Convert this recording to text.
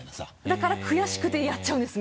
だから悔しくてやっちゃうんです